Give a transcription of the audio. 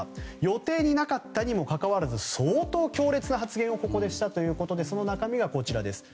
予定になかったにもかかわらず相当強烈な発言をここでしたということでその中身がこちらです。